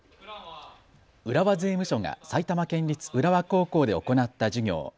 浦和税務署が埼玉県立浦和高校で行った授業。